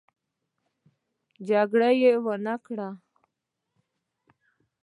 جګړه ونه کړو.